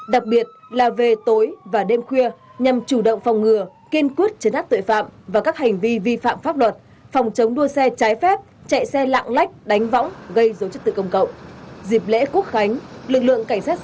đặc biệt là về tối và đêm khuya nhằm chủ động phòng ngừa kiên quyết chấn áp tội phạm và các hành vi vi phạm pháp luật phòng chống đua xe trái phép chạy xe lạng lách đánh võng gây dấu chức tự công cộng